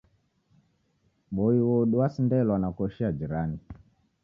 Boi odu wasindelwa na koshi ya jirani.